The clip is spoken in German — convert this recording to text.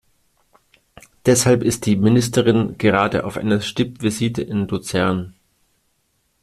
Deshalb ist die Ministerin gerade auf einer Stippvisite in Luzern.